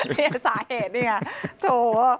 โถเนี่ยสาเหตุเนี่ยโถ